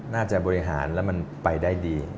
บริหารแล้วมันไปได้ดี